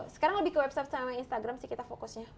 sekarang lebih ke website sama instagram sih kita fokusnya